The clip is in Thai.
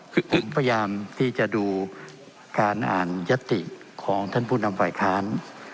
คือผมพยายามที่จะดูการอ่านยัตติของท่านผู้นำฝ่ายค้าน